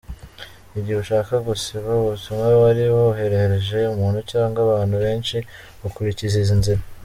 Igihe ushaka gusiba ubutumwa wari woherereje umuntu cyangwa abantu benshi, ukurikiza izi nzira:.